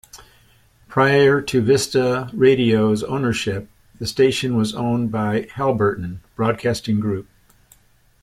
Prior to Vista Radio's ownership, the station was owned by Haliburton Broadcasting Group.